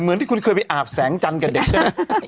เหมือนที่คุณเคยไปอาบแสงจันทร์กับเด็กใช่ไหม